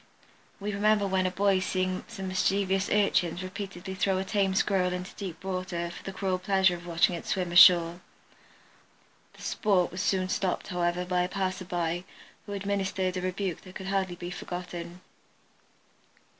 We remember when a boy seeing some mischievous urchins repeatedly throw a tame Squirrel into deep water for the cruel pleasure of watching it swim ashore. The "sport" was soon stopped, however, by a passerby, who administered a rebuke that could hardly be forgotten.